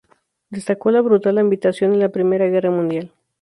Destacó "la brutal ambientación en la Primera Guerra Mundial.